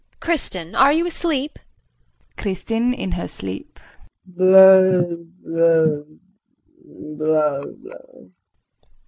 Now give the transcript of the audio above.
Kristin, are you asleep? KRISTIN. [In her sleep].